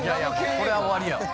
これは終わりや。